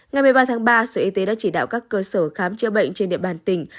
ngày một mươi ba tháng ba sở y tế đã chỉ đạo các cơ sở khám chữa bệnh trên địa bàn tỉnh